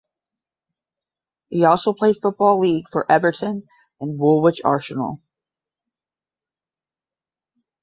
He also played Football League for Everton and Woolwich Arsenal.